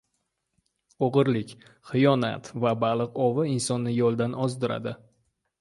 • O‘g‘rilik, xiyonat va baliq ovi insonni yo‘ldan ozdiradi.